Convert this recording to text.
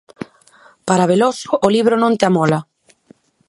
Para Beloso o libro Non te amola!